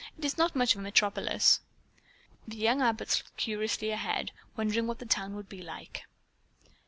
"It is not much of a metropolis." The young Abbotts looked curiously ahead, wondering what the town would be like.